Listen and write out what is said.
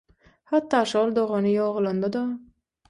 Hatda şol dogany ýogalanda-da.